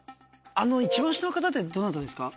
あの一番下の方ってどなたですか？